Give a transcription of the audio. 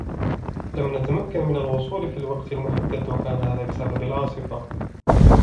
لم نتمكن من الوصول في الوقت المحدد و كان هذا بسبب العاصفة.